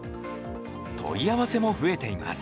問い合わせも増えています。